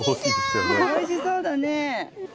おいしそうだね。